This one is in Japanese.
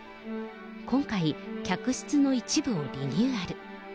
今回、客室の一部をリニューアル。